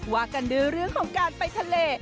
ว่ากันด้วยเรื่องของการไปทะเล